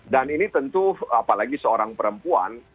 dan ini tentu apalagi seorang perempuan